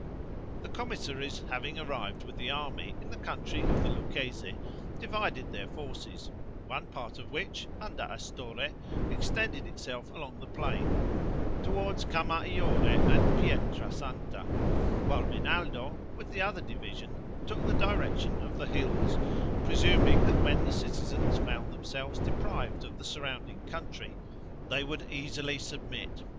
The commissaries having arrived with the army in the country of the Lucchese, divided their forces; one part of which, under Astorre, extended itself along the plain, toward Camaiore and Pietrasanta, while Rinaldo, with the other division, took the direction of the hills, presuming that when the citizens found themselves deprived of the surrounding country, they would easily submit.